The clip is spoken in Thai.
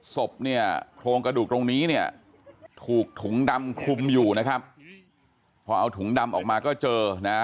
ศพเนี่ยโครงกระดูกตรงนี้เนี่ยถูกถุงดำคลุมอยู่นะครับพอเอาถุงดำออกมาก็เจอนะฮะ